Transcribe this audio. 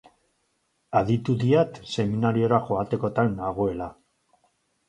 Aditu diat Seminariora joatekotan hagoela.